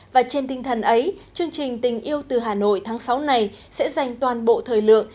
và trên tinh thần ấy chương trình tình yêu từ hà nội tháng sáu này sẽ dành toàn bộ thời lượng